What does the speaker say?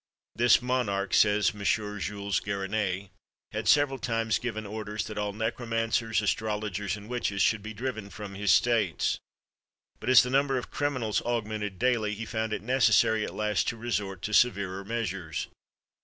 "This monarch," says M. Jules Garinet, "had several times given orders that all necromancers, astrologers, and witches should be driven from his states; but as the number of criminals augmented daily, he found it necessary at last to resort to severer measures.